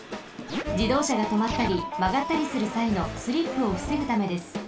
じどうしゃがとまったりまがったりするさいのスリップをふせぐためです。